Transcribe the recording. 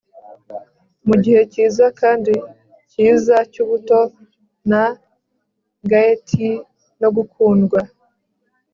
Mugihe cyiza kandi cyiza cyubuto na gaiety no gukundwa